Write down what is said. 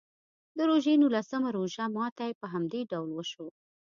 د روژې نولسم روژه ماتي په همدې ډول وشو.